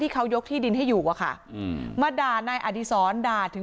เขายกที่ดินให้อยู่อะค่ะมาด่านายอดีศรด่าถึง